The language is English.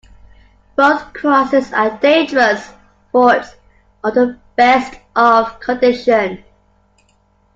Both crossings are dangerous fords under the best of conditions.